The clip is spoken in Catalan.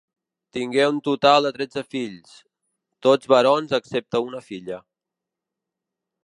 Tingué un total de tretze fills, tots barons excepte una filla.